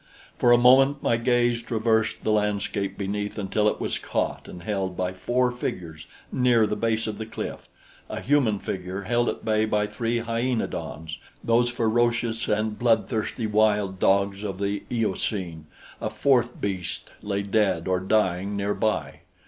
For a moment my gaze traversed the landscape beneath until it was caught and held by four figures near the base of the cliff a human figure held at bay by three hyaenodons, those ferocious and blood thirsty wild dogs of the Eocene. A fourth beast lay dead or dying near by.